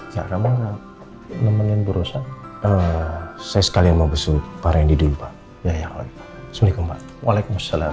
ya kamu nemenin berusaha saya sekali mau besok para yang diduga ya ya waalaikumsalam